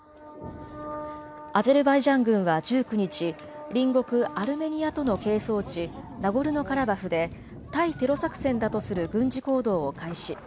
アゼルバイジャン軍は１９日、隣国アルメニアとの係争地、ナゴルノカラバフで対テロ作戦だとする軍事行動を開始。